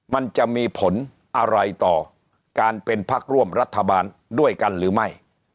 มันจะมีผลอะไรต่อการเป็นพักร่วมรัฐบาลด้วยกันหรือไม่